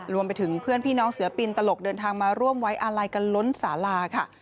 รวมไปถึงเพื่อนพี่น้องศิลปินตลกเดินทางมาร่วมไว้อาลัยกันล้นสาลาค่ะ